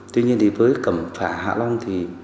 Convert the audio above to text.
tuy nhiên với cẩm phả hạ long